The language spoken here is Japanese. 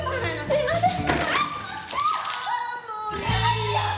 すいません。